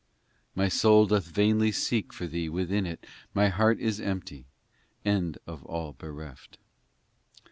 My soul doth vainly seek for Thee within it, My heart is empty, and of all bereft.